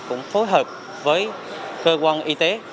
cũng phối hợp với cơ quan y tế